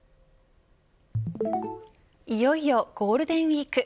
いよいよゴールデンウイーク。